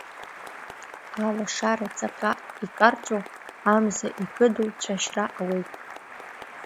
Алашара ҵаҟа икарҵәо, амза икыду цәашьра ауеит.